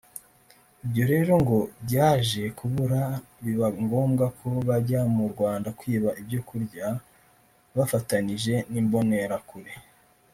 ibyo rero ngo byaje kubura bibangombwa ko bajya mu Rwanda kwiba ibyo kurya bafatanije n’imbonerakure